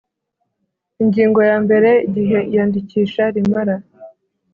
Ingingo ya mbere Igihe iyandikisha rimara